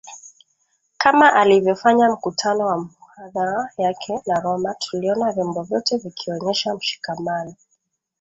kama alivyofanya mkutano wa muhadhara yake na Roma tuliona vyombo vyote vikionyesha mshikamano